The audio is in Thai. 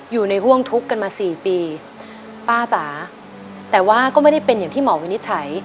อยู่ในห่วงทุกข์กันมาสี่ปีป้าจ๋าแต่ว่าก็ไม่ได้เป็นอย่างที่หมอวินิจฉัย